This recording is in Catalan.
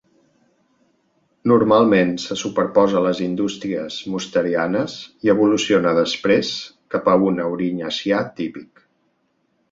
Normalment se superposa a les indústries mosterianes i evoluciona després cap a un aurinyacià típic.